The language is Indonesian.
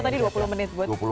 tau tadi dua puluh menit bud